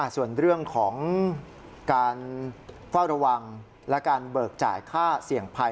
ส่วนเรื่องของการเฝ้าระวังและการเบิกจ่ายค่าเสี่ยงภัย